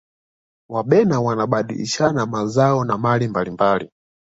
wabena wanabadilishana mazao na mali mbalimbali